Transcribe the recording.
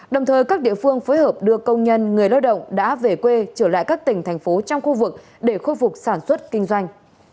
đồng thời các địa phương phối hợp đưa công nhân người lao động đã về quê trở lại các tỉnh thành phố trong khu vực để khôi phục sản xuất kinh doanh